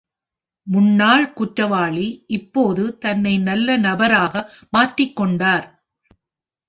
முன்னாள் குற்றவாளி இப்போது தன்னை நல்ல நபராக மாற்றிக் கொண்டார்.